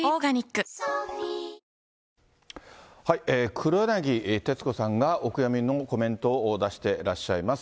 黒柳徹子さんがお悔やみのコメントを出してらっしゃいます。